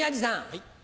はい。